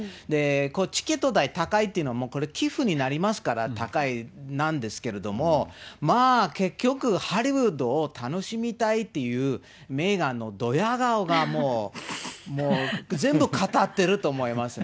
チケット代高いというのも、これ、寄付になりますから高いなんですけども、まあ結局、ハリウッドを楽しみたいというメーガンのどや顔が、もう、もう全部語ってると思いますね。